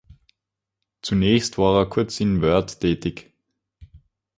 Zunächst war er kurz in Wörth tätig.